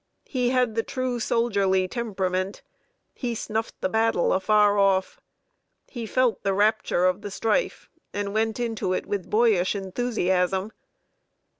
He had the true soldierly temperament. He snuffed the battle afar off. He felt "the rapture of the strife," and went into it with boyish enthusiasm.